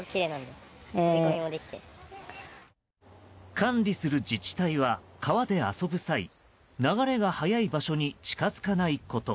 管理する自治体は川で遊ぶ際流れが速い場所に近づかないこと。